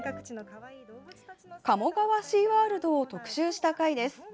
シーワールドを特集した回です。